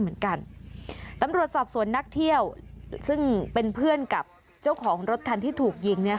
เหมือนกันตำรวจสอบสวนนักเที่ยวซึ่งเป็นเพื่อนกับเจ้าของรถคันที่ถูกยิง